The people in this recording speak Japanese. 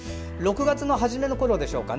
６月の初めのころでしょうか。